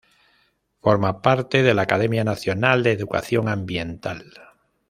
Forma parte de la Academia Nacional de Educación Ambiental.